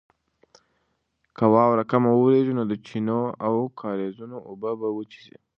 که واوره کمه وورېږي نو د چینو او کاریزونو اوبه به وچې شي.